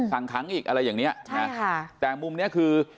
สั่งขังอีกอะไรอย่างเนี้ยนะแต่มุมเนี้ยคือ